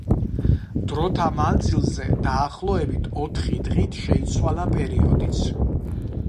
დროთა მანძილზე, დაახლოებით ოთხი დღით შეიცვალა პერიოდიც.